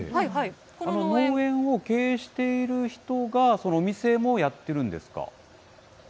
この農園を経営している人が、そのお店もやってるんですか。